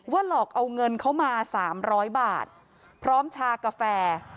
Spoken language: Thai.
หลอกเอาเงินเขามา๓๐๐บาทพร้อมชากาแฟ